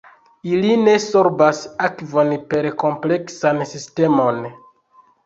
Ili ne sorbas akvon per kompleksan sistemon.